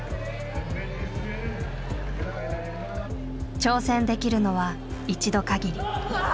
挑戦できるのは一度限り。